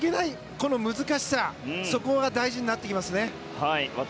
この難しさが大事になってきますね。